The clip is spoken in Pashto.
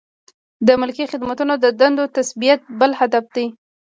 د ملکي خدمتونو د دندو تثبیت بل هدف دی.